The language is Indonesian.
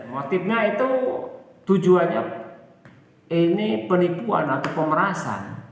motifnya itu tujuannya ini penipuan atau pemerasan